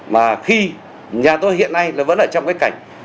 mà khi nhà tôi hiện nay nó vẫn ở trong cái cảnh